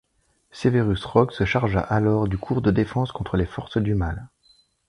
Severus Rogue se chargera alors du cours de défense contre les forces du mal.